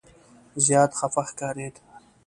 زیات خفه ښکارېد.